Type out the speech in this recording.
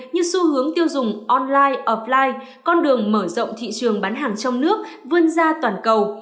như xu hướng tiêu dùng online ofline con đường mở rộng thị trường bán hàng trong nước vươn ra toàn cầu